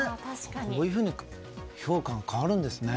こういうふうに評価が変わるんですね。